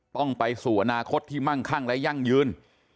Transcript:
ต้องไปสู่อนาคตที่มั่งคั่งและยั่งยืน